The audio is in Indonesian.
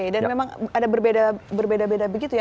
dan memang ada berbeda beda begitu ya